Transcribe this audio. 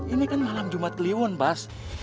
ini kan malam jumat kliwon bas